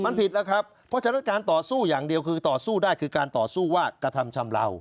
มันผิดแล้วครับเพราะฉะนั้นการต่อสู้อย่างเดียวคือต่อสู้ได้คือการต่อสู้ว่ากระทำชำเลา